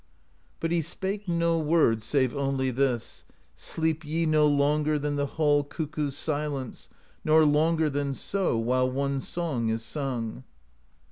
But he spake no word Save only this: 'Sleep ye no longer Than the hall cuckoo's silence. Nor longer than so, While one song is sung.'